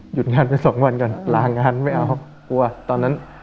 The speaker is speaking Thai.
หยุดงานไปสองวันก่อนลางานไม่เอาครับกลัวตอนนั้น